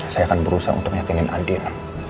saya akan berusaha untuk meyakini andin